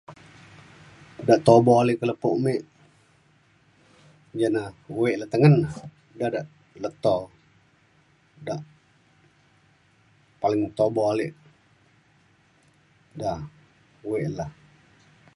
dak tubo ale ka lepo me ja na wek le tengen na dak dak leto dak paling tubo ale da wek la